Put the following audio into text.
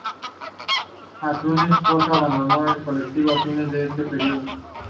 Antúnez Roca abandonó el colectivo a fines de este periodo.